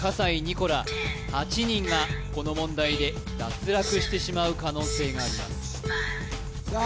来ら８人がこの問題で脱落してしまう可能性がありますさあ